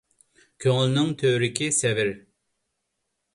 كۆڭۈلنىڭ تۆۋرۈكى سەۋر.